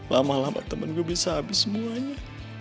lama lama temen gue bisa habis semuanya